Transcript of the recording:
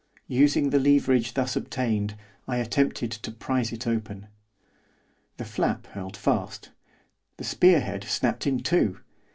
Using the leverage thus obtained, I attempted to prise it open. The flap held fast; the spear head snapped in two.